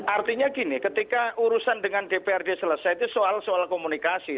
artinya gini ketika urusan dengan dprd selesai itu soal soal komunikasi